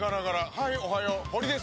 はい、おはよう！ホリです。